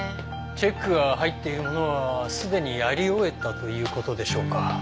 チェックが入っているものはすでにやり終えたという事でしょうか。